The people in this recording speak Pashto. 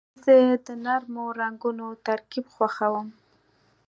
زه د نرمو رنګونو ترکیب خوښوم.